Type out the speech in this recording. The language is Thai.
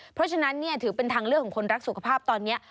เพราะฉะนั้นถือเป็นทางเลือกของคนรักสุขภาพตอนนี้